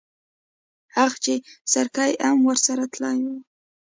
اخ چې سرګي ام ورسره تلی وای.